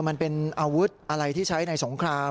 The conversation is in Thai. มันเป็นอาวุธอะไรที่ใช้ในสงคราม